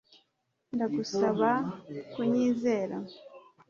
Ndagusaba kunyizera